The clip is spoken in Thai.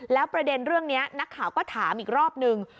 แล้วประเด็นเรื่องนี้นักข่าวก็ถามอีกรอบนึง